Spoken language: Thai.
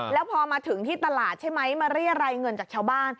แล้วพอมาถึงที่ตลาดใช่ไหมมาเรียรายเงินจากชาวบ้าน